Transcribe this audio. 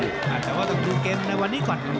แต่ประตังแต่ว่าต้องดูเกมในวันนี้ก่อนเนี่ย